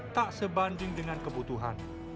tak sebanding dengan kebutuhan